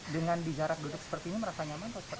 dengan di jarak duduk seperti ini merasa nyaman